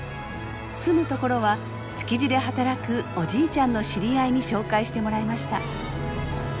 住む所は築地で働くおじいちゃんの知り合いに紹介してもらいました。